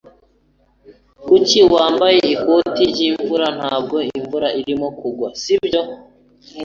Kuki wambaye ikoti ryimvura? Ntabwo imvura irimo kugwa, si byo?